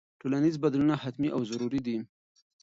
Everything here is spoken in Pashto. ټولنیز بدلونونه حتمي او ضروري دي.